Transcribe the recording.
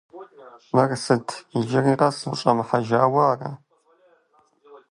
Мыр сыт, иджыри къэс ущӀэмыхьэжауэ ара?